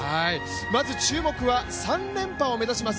まず注目は３連覇を目指します